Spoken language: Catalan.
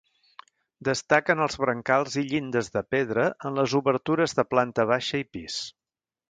Destaquen els brancals i llindes de pedra en les obertures de planta baixa i pis.